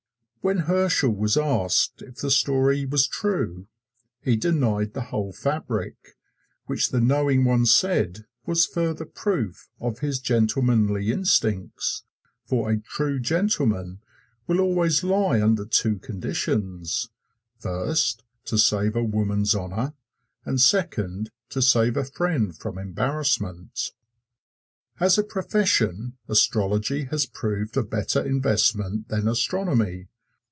When Herschel was asked if the story was true he denied the whole fabric, which the knowing ones said was further proof of his gentlemanly instincts for a true gentleman will always lie under two conditions: first, to save a woman's honor; and second, to save a friend from embarrassment. As a profession, astrology has proved a better investment than astronomy.